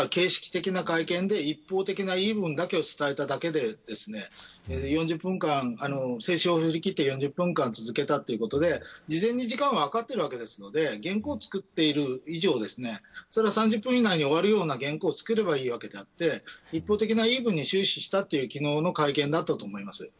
だから形式的な会見で一方的な言い分を伝えただけで制止を振り切って４０分間、続けたということで事前に分かっているわけですので原稿を作っている以上３０分以内に終わるような原稿をつくればいいわけであって一方的な言い分に終始した会見だったと思います。